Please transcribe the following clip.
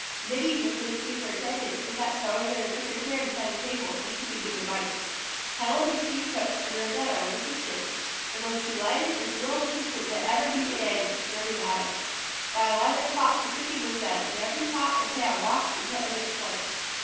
Minnie was made superintendent and sat sewing in a wicker chair beside the table, where she could give advice. Helen was chief cook and Rosanna was assistant the most delighted and thrilled assistant that ever beat an egg or stirred a batter. By eleven o'clock the cooking was done and every pot and pan washed and put in its place.